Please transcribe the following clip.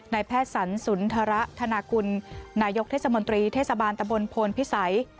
แพทย์สรรสุนทรธนากุลนายกเทศมนตรีเทศบาลตะบนโพนพิสัย